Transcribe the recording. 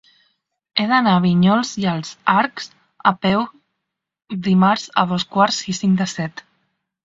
He d'anar a Vinyols i els Arcs a peu dimarts a dos quarts i cinc de set.